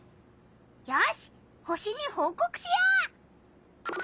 よし星にほうこくしよう！